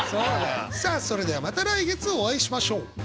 それではまた来月お会いしましょう。